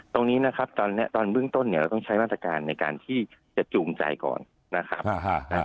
ตรงนี้นะครับตอนนี้ตอนเบื้องต้นเนี่ยเราต้องใช้มาตรการในการที่จะจูงใจก่อนนะครับ